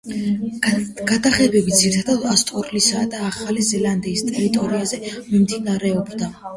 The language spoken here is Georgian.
გადაღებები ძირითადად ავსტრალიისა და ახალი ზელანდიის ტერიტორიაზე მიმდინარეობდა.